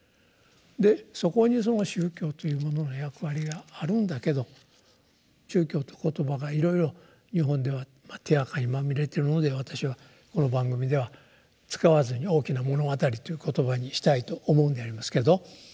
でそこに「宗教」というものの役割があるんだけど「宗教」って言葉がいろいろ日本では手あかにまみれているので私はこの番組では使わずに「大きな物語」っていう言葉にしたいと思うんでありますけど。